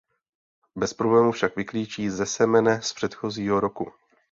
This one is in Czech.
Bez problémů však vyklíčí ze semene z předchozího roku.